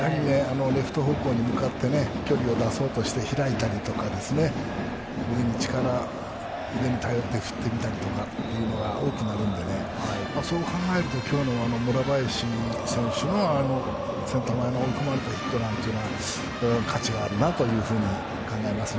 レフト方向に向かって距離を出そうとして開いたりとか腕に力、腕に頼って振ってみたりとかが多くなるのでそう考えると今日の村林選手はセンター前の奥まったヒットは価値があるなと考えます。